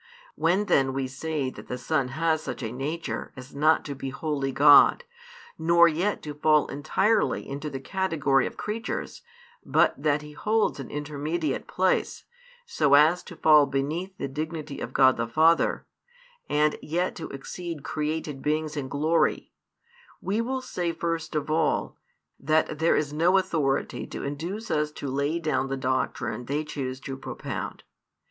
When then we say that the Son has such a nature as not to be wholly God, nor yet to fall entirely into the category of creatures, but that He holds an intermediate place, so as to fall beneath the dignity of God the Father, and yet to exceed created beings in glory, we will say first of all, that there is no authority to induce us to lay down the doctrine they choose to propound.